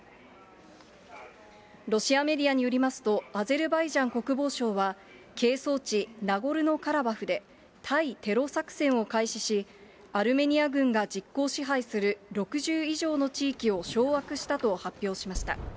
ロシアメディアによりますと、アゼルバイジャン国防省は、係争地、ナゴルノカラバフで対テロ作戦を開始し、アルメニア軍が実効支配する６０以上の地域を掌握したと発表しました。